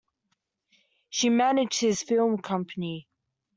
She managed his film company.